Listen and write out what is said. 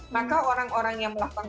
maka orang orang yang melakukan